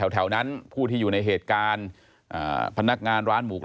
แถวนั้นผู้ที่อยู่ในเหตุการณ์พนักงานร้านหมูกระ